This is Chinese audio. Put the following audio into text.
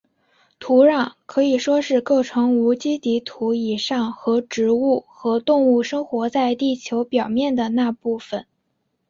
土壤可以说是构成无机底土以上和植物和动物生活在地球表面的那部分。